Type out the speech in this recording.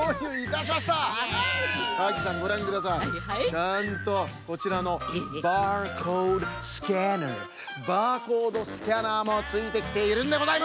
ちゃんとこちらのバーコードスキャナーバーコードスキャナーもついてきているんでございます！